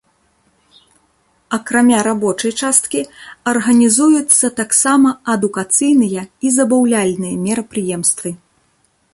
Акрамя рабочай часткі арганізуюцца таксама адукацыйныя і забаўляльныя мерапрыемствы.